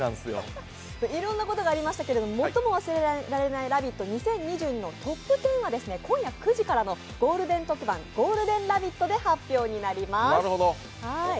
いろんなことがありましたけれども、「最も忘れられないラヴィット！２０２２」のトップ１０は今夜９時からのゴールデン特番、「ゴールデンラヴィット！」で発表になります。